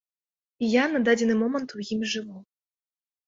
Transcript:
І я на дадзены момант у ім жыву.